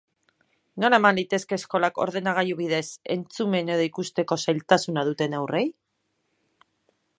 Nola eman litezke eskolak ordenagailu bidez, entzumen edo ikusteko zailtasuna duten haurrei?